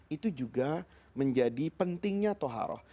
itu juga menjadi pentingnya toharoh